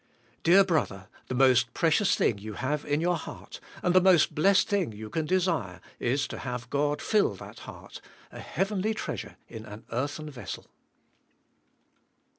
Dear brother, the most precious thing you have in your heart, and the most blessed thing you can desire is to have God fill that heart, a heavenly treasure in an earthen vessel.